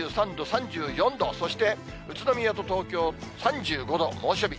３３度、３４度、そして宇都宮と東京３５度、猛暑日。